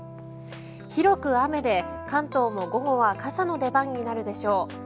広く雨で、関東も午後はは傘の出番になるでしょう。